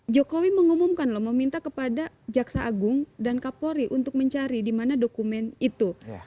jokowi mengumumkan loh meminta kepada jaksa agung dan kapolri untuk mencari di mana dokumen itu